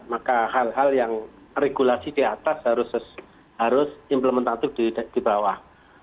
maka hal hal yang regulasi di atas harus implementatif di bawah